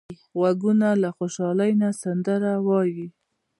غوږونه له خوشحالۍ نه سندره وايي